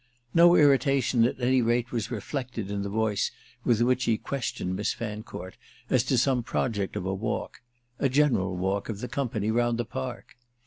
No irritation at any rate was reflected in the voice with which he questioned Miss Fancourt as to some project of a walk—a general walk of the company round the park.